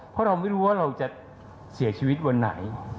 เพราะเราไม่รู้ว่าเราจะเสียชีวิตวันไหน